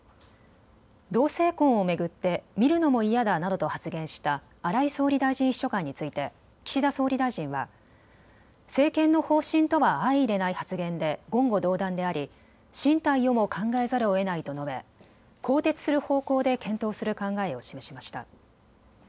同性婚を巡って見るのも嫌だなどと発言した荒井総理大臣秘書官について岸田総理大臣は政権の方針とは相いれない発言で言語道断であり進退をも考えざるをえないと述べ更迭する方向で検討する考えを示しました。